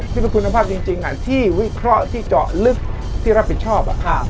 ที่เป็นคุณภาพจริงที่วิเคราะห์ที่เจาะลึกที่รับผิดชอบ